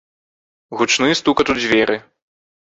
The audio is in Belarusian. Гучны стукат у дзверы.